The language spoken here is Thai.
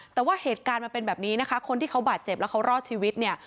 แต่ว่าเหตุการณ์มันเป็นแบบนี้นะคะคนที่เขาบาดเจ็บแล้วเขารอดชีวิตเนี่ย